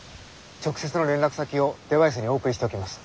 直接の連絡先をデバイスにお送りしておきます。